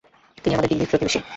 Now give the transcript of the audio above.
তিনি আমাদের দিল্লির প্রতিবেশী।